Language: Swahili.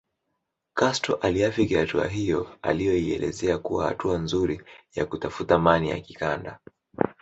Castro aliafiki hatua hiyo aliyoielezea kuwa hatua nzuri ya kutafuta mani ya kikanda